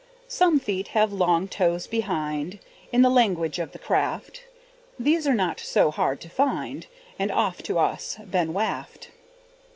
Some feet have long toes behind In the language of the craft; These are not so hard to find, And oft to us been waft.